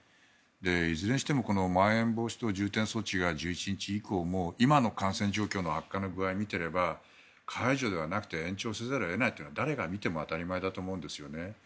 いずれにしてもまん延防止等重点措置が１１日以降も今の感染状況の悪化の具合を見ていれば解除ではなくて延長せざるを得ないと誰が見ても当たり前だと思うんですよね。